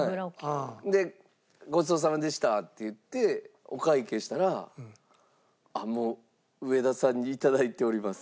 で「ごちそうさまでした」って言ってお会計したら「もう上田さんにいただいております」。